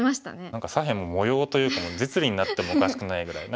何か左辺も模様というかもう実利になってもおかしくないぐらい。